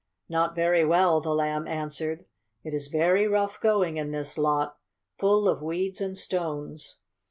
"Not very well," the Lamb answered. "It is very rough going in this lot, full of weeds and stones.